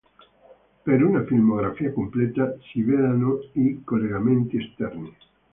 Per una filmografia completa si vedano i collegamenti esterni.